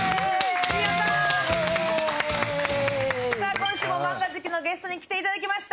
今週もマンガ好きのゲストに来ていただきました。